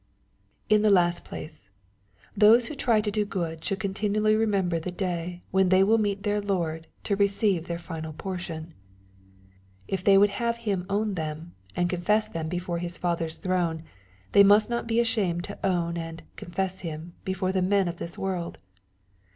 '' In the last place, those who try to do good should conn tinuaUy remember the day when they will meet their Lord to receive their final portion, if they would have Him own them, and confess them before His Father's throne, they must not be ashamed to own and ^^ confess Him" before the men of this world.